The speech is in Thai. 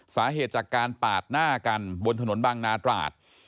สาเหตุจากการปาดหน้ากันบนถนนบางนาตราด